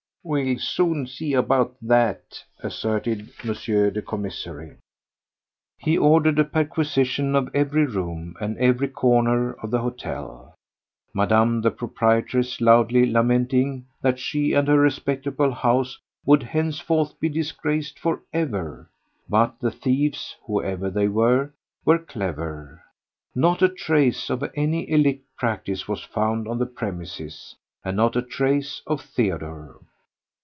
"We'll soon see about that!" asserted M. the Commissary. He ordered a perquisition of every room and every corner of the hotel, Madame the proprietress loudly lamenting that she and her respectable house would henceforth be disgraced for ever. But the thieves—whoever they were—were clever. Not a trace of any illicit practice was found on the premises—and not a trace of Theodore.